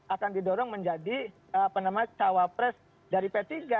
akan didorong menjadi cawapres dari p tiga